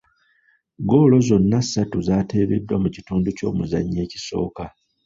Ggoolo zonna ssatu zaateebeddwa mu kitundu ky'omuzannyo ekisooka.